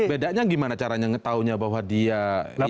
bedanya gimana caranya tahunya bahwa dia